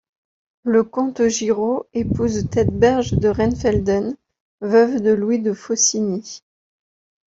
Le comte Giraud épouse Thetberge de Rheinfelden, veuve de Louis de Faucigny.